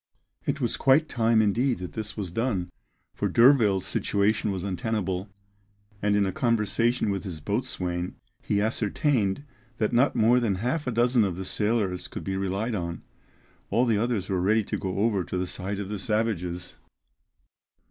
It was quite time indeed that this was done, for D'Urville's situation was untenable, and in a conversation with his boatswain he ascertained that not more than half a dozen of the sailors could be relied on; all the others were ready to go over to the side of the savages.